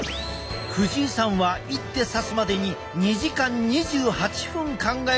藤井さんは一手指すまでに２時間２８分考え続けたことも。